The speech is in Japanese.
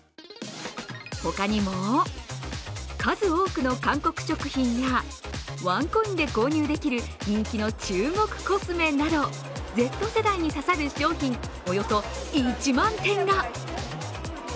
他にも、数多くの韓国食品やワンコインで購入できる人気の中国コスメなどＺ世代にささる商品およそ１万点が。